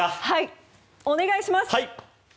お願いします。